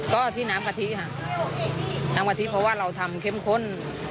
ก็ที่น้ำกะทิค่ะน้ำกะทิเพราะว่าเราทำเข้มข้น